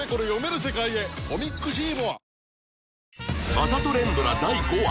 あざと連ドラ第５話